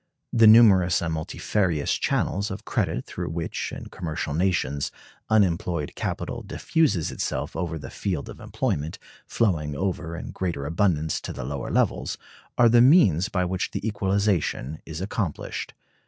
The numerous and multifarious channels of credit through which, in commercial nations, unemployed capital diffuses itself over the field of employment, flowing over in greater abundance to the lower levels, are the means by which the equalization is accomplished.